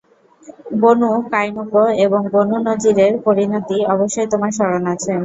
বনূ কায়নূকা এবং বনু নযীরের পরিণতি অবশ্যই তোমার স্মরণ আছে।